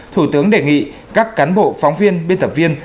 thủ tướng đề nghị các cán bộ phóng viên biên tập viên